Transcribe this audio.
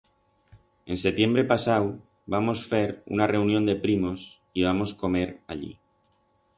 En setiembre pasau vamos fer una reunión de primos y vamos comer allí.